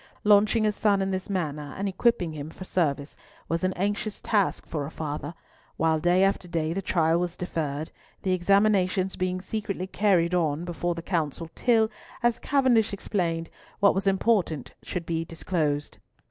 Launching a son in this manner and equipping him for service was an anxious task for a father, while day after day the trial was deferred, the examinations being secretly carried on before the Council till, as Cavendish explained, what was important should be disclosed.